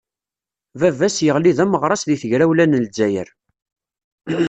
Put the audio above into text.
Baba-s, yeɣli d ameɣras deg tegrawla n Lezzayer.